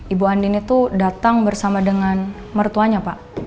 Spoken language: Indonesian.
ibu andini itu datang bersama dengan mertuanya pak